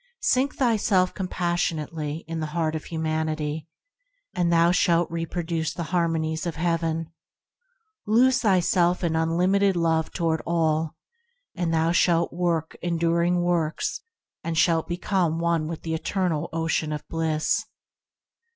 Sink thyself compassionately in the heart of humanity, and thou shalt reproduce the harmonies of Heaven; lose thyself in unlimited love toward all, and thou shalt work enduring works and shalt become one with the Eternal Ocean of Bliss.